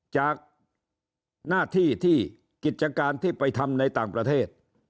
จากหน้าที่ที่กิจการที่ไปทำในต่างประเทศ